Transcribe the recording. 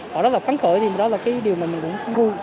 họ rất là khắng khởi thì đó là cái điều mà mình cũng vui